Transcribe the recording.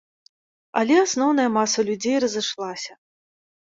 Але асноўная маса людзей разышлася.